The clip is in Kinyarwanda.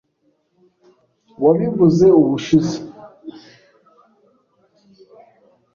Wabivuze ubushize.